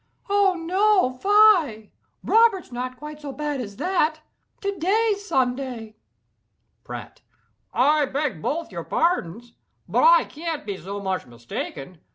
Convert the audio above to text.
"Oh, no, fie!—Robert's not quite so bad as that. To day's Sunday." PRATT. "I beg both your pardons—but I can't be so much mistaken.